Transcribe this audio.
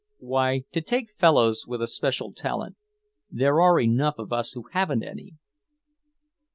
"Why, to take fellows with a special talent. There are enough of us who haven't any."